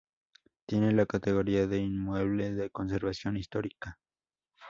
Tiene la categoría de "Inmueble de Conservación Histórica".